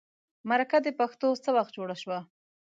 مرکه د پښتو څه وخت جوړه شوه.